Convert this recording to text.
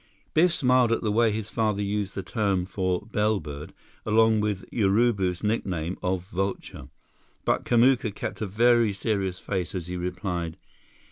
Biff smiled at the way his father used the term for "bellbird" along with Urubu's nickname of "vulture." But Kamuka kept a very serious face as he replied.